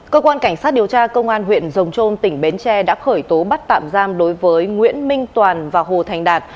cơ quan cảnh sát điều tra công an huyện rồng trôm tỉnh bến tre đã khởi tố bắt tạm giam đối với nguyễn minh toàn và hồ thành đạt